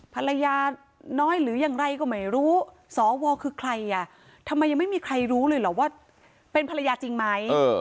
ภรรยาน้อยหรือยังไรก็ไม่รู้สวคือใครอ่ะทำไมยังไม่มีใครรู้เลยเหรอว่าเป็นภรรยาจริงไหม